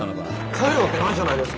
帰るわけないじゃないですか。